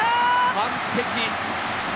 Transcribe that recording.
完璧。